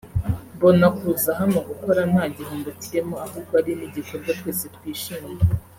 “Mbona kuza hano gukora nta gihombo kirimo ahubwo ari n’igikorwa twese twishimira